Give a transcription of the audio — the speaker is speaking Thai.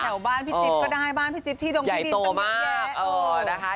แต่งแถวบ้านพี่จิ๊บก็ได้บ้านพี่จิ๊บที่ดงที่ดินตรงแยะ